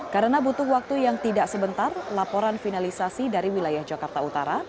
karena butuh waktu yang tidak sebentar laporan finalisasi dari wilayah jakarta utara